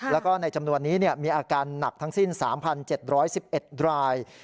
แล้วก็ในจำนวนนี้มีอาการหนักทั้งสิ้น๓๗๑๑ราย